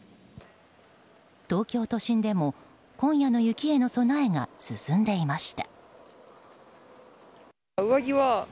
東京都心でも今夜の雪への備えが進んでいました。